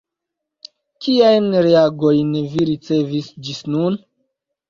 Kiajn reagojn vi ricevis ĝis nun?